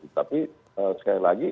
tapi sekali lagi